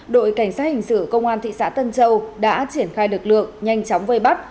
đội cảnh sát hình sự công an thị xã tân châu đã triển khai lực lượng nhanh chóng vây bắt